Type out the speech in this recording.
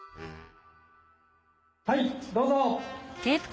はいどうぞ！